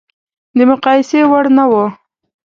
د مقایسې وړ نه و.